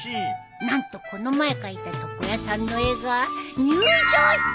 何とこの前描いた床屋さんの絵が入賞したんだよ。